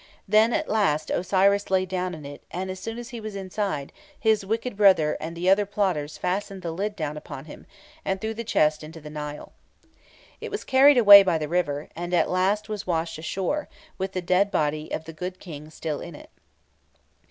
Then at last Osiris lay down in it, and as soon as he was inside, his wicked brother and the other plotters fastened the lid down upon him, and threw the chest into the Nile. It was carried away by the river, and at last was washed ashore, with the dead body of the good King still in it.